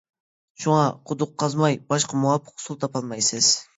شۇڭا قۇدۇق قازماي باشقا مۇۋاپىق ئۇسۇل تاپالمايسىز.